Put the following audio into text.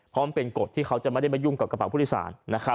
เพราะมันเป็นกฎที่เขาจะไม่ได้มายุ่งกับกระเป๋าผู้โดยสาร